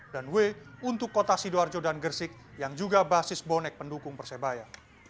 dan w untuk kota sidoarjo dan gersik yang juga basis bonek pendukung persebaya